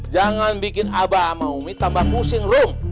jangan bikin abah sama umi tambah pusing rom